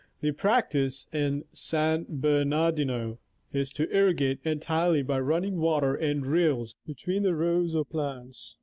The practice in San Bernardino is to irrigate entirely by running water in rills between the rows of plants.